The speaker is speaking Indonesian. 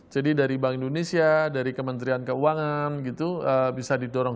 jadi dari bank indonesia dari kementerian keuangan gitu bisa didorong